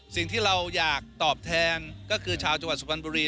สิ่งที่เราอยากตอบแทนก็คือชาวจังหวัดสุพรรณบุรี